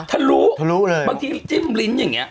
ทะลุทะลุเลยบางทีจิ้มลิ้นอย่างนี้